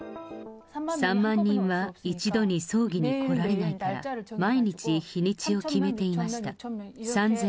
３万人は、一度に葬儀に来られないから、毎日日にちを決めていました。